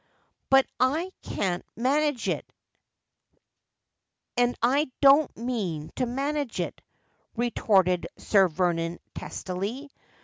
339 ' But I can't manage it, and I don't mean to manage it,' re torted Sir Vernon testily.